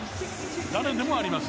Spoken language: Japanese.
誰でもあります。